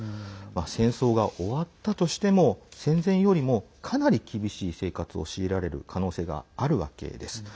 戦争が終わったとしても戦前よりもかなり厳しい生活を強いられる可能性があるわけです。